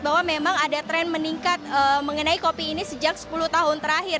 bahwa memang ada tren meningkat mengenai kopi ini sejak sepuluh tahun terakhir